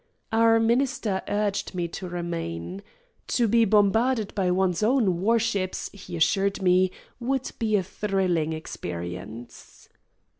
Our minister urged me to remain. To be bombarded by one's own war ships, he assured me, would be a thrilling experience.